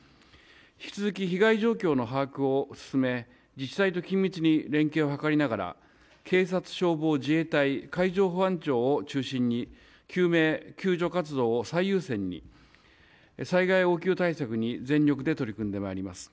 引き続き、被害状況の把握を進め、自治体と緊密に連携を図りながら、警察、消防、自衛隊、海上保安庁を中心に、救命救助活動を最優先に、災害応急対策に全力で取り組んでまいります。